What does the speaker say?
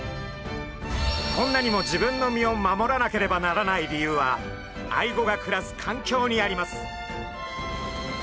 こんなにも自分の身を守らなければならない理由はアイゴが暮らす環境にあります。